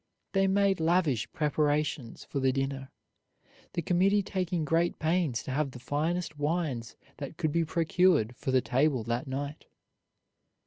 They made lavish preparations for the dinner, the committee taking great pains to have the finest wines that could be procured for the table that night.